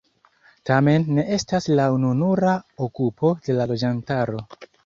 Tamen ne estas la ununura okupo de la loĝantaro.